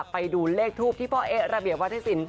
ไปดูเลขทูปที่พ่อเอ๊ะระเบียบวัฒนศิลป